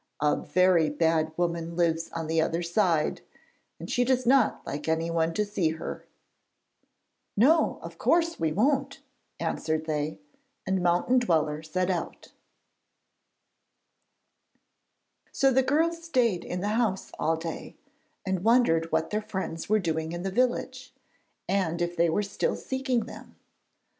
A very bad woman lives on the other side, and she does not like anyone to see her.' [Illustration: HOW THE GIRLS FOUND MOUNTAIN DWELLER] 'No; of course we won't,' answered they, and Mountain Dweller set out. So the girls stayed in the house all day, and wondered what their friends were doing in the village, and if they were still seeking them.